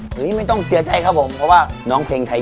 ฝีมั้ยไม่ต้องเสียใจครับว่าน้องเพลงไทย